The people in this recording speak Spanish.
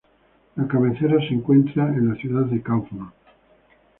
La cabecera se encuentra en la ciudad de Kaufman.